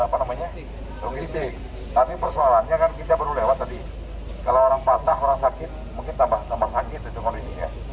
kalau orang patah orang sakit mungkin tambah sakit itu kondisinya